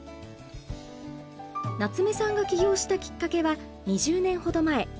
夏目さんが起業したきっかけは２０年ほど前。